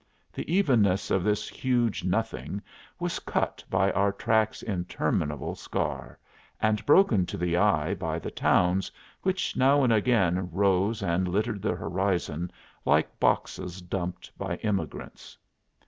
The evenness of this huge nothing was cut by our track's interminable scar, and broken to the eye by the towns which now and again rose and littered the horizon like boxes dumped by emigrants.